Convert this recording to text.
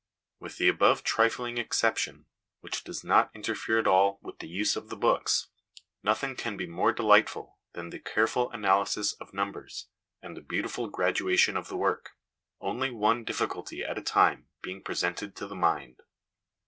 With the above trifling exception, which does not interfere at all with the use of the books, nothing can be more delightful than the careful analysis of numbers and the beautiful graduation of the work, " only one difficulty at a time being presented to the mind."